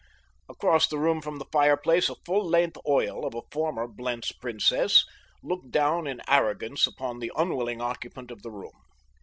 Across the room from the fireplace a full length oil of a former Blentz princess looked down in arrogance upon the unwilling occupant of the room.